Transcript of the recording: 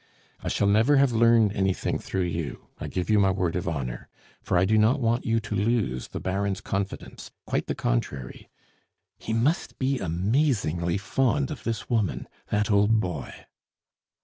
I shall never have learned anything through you, I give you my word of honor; for I do not want you to lose the Baron's confidence, quite the contrary. He must be amazingly fond of this woman that old boy."